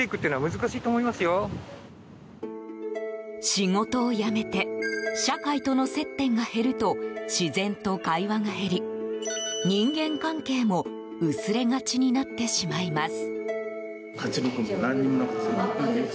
仕事を辞めて社会との接点が減ると自然と会話が減り人間関係も薄れがちになってしまいます。